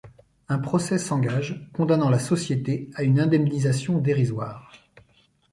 Un procès s'engage condamnant la société à une indemnisation dérisoire.